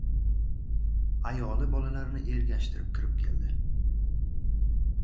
Ayoli bolalarini ergashtirib kirib keldi!